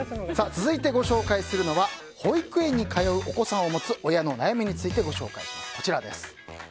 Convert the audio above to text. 続いてご紹介するのは保育園に通うお子さんを持つ親の悩みについてご紹介します。